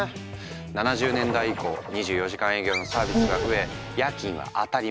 ７０年代以降２４時間営業のサービスが増え夜勤は当たり前。